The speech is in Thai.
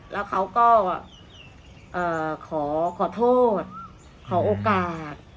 แล้วเขาก็ขอโทษขอโอกาส